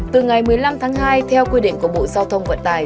từ ngày một mươi năm tháng hai theo quy định của bộ giao thông vận tài